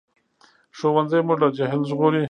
ښوونځی موږ له جهل ژغوري